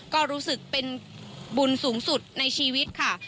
ก็รู้สึกเป็นบุญสูงสุดในชีวิตค่ะ